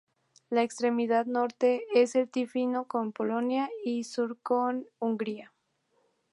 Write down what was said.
La extremidad norte es el trifinio con Polonia y sur con Hungría.